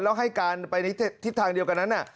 แล้วให้การไปในทิศทางเดียวกันนั้น